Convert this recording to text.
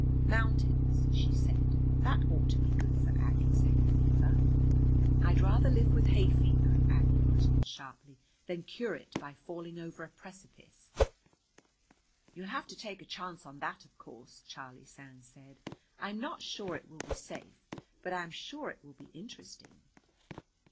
"Mountains!" she said. "That ought to be good for Aggie's hay fever." "I'd rather live with hay fever," Aggie put in sharply, "than cure it by falling over a precipice." "You'll have to take a chance on that, of course," Charlie Sands said. "I'm not sure it will be safe, but I am sure it will be interesting."